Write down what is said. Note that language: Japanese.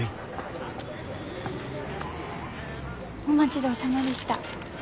お待ち遠さまでした。